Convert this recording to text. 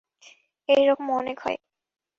এই রকম অনেক হয়।